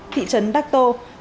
thị trấn đắc tô